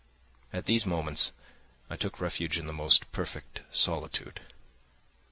At these moments I took refuge in the most perfect solitude.